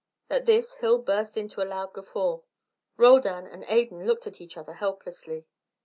At this Hill burst into a loud guffaw. Roldan and Adan looked at each other helplessly.